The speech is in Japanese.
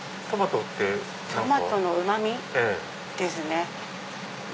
トマトのうま味ですね。